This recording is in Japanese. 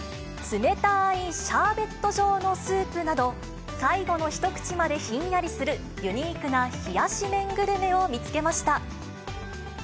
冷たいシャーベット状のスープなど、最後の一口までひんやりする、ユニークな冷やし麺グルメを見つけました。